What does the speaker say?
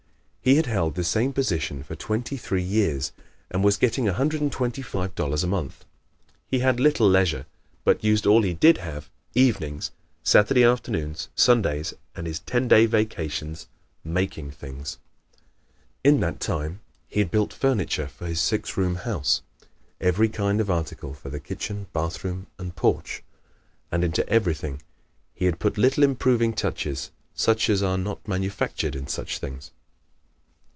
He had held the same position for twenty three years and was getting $125 a month. He had little leisure but used all he did have evenings, Saturday afternoons, Sundays and his ten day vacations making things. In that time he had built furniture for his six room house every kind of article for the kitchen, bathroom and porch. And into everything he had put little improving touches such as are not manufactured in such things.